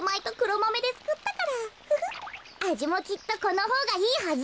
あじもきっとこのほうがいいはず。